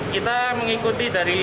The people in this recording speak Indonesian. kita mengikuti dari